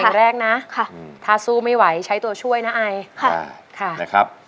แรกนะถ้าสู้ไม่ไหวใช้ตัวช่วยนะไอค่ะนะครับ